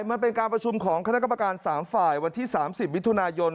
มันเป็นการประชุมของคณะกรรมการสามฝ่ายวันที่สามสิบวิทยุณายน